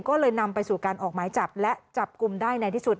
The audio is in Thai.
ก็เลยนำไปสู่การออกหมายจับและจับกลุ่มได้ในที่สุด